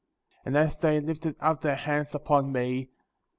15. And as they lifted up their hands upon me.